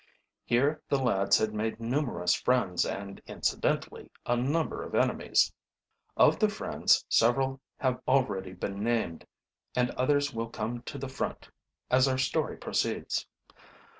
Here the lads had made numerous friends and incidentally a number of enemies. Of the friends several have already been named, and others will come to the front as our story proceeds.